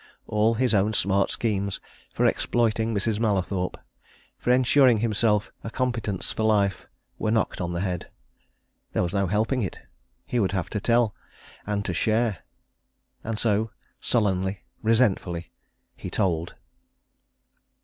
All his own smart schemes for exploiting Mrs. Mallathorpe, for ensuring himself a competence for life, were knocked on the head. There was no helping it he would have to tell and to share. And so, sullenly, resentfully, he told.